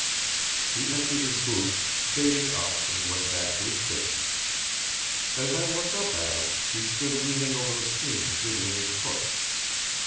He emptied his boots, baited up and went back to his fishing. As I looked up at him he stood leaning over the stream jiggling his hook.